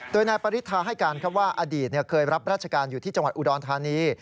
โดยนายปริธาให้การว่าอดีตเคยรับราชการอยู่ที่จังหวัดอุดรธานี